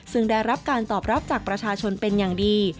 ซึ่งได้รับการตอบรับจากประชาชนเป็นอย่างดี